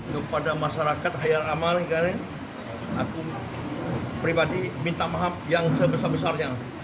kepada masyarakat khayal amali kalian aku pribadi minta maaf yang sebesar besarnya